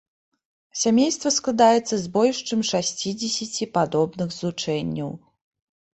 Сямейства складаецца з больш чым шасцідзесяці падобных злучэнняў.